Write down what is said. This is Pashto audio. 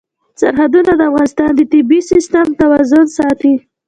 سرحدونه د افغانستان د طبعي سیسټم توازن ساتي.